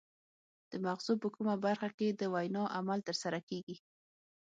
د مغزو په کومه برخه کې د وینا عمل ترسره کیږي